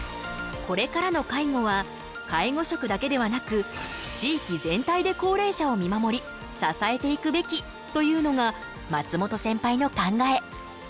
これからの介護は介護職だけではなく地域全体で高齢者を見守り支えていくべきというのが松本センパイの考え。